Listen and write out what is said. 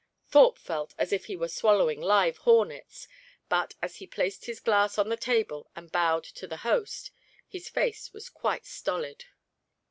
Thorpe felt as if he were swallowing live hornets; but, as he placed his glass on the table and bowed to the host, his face was quite stolid.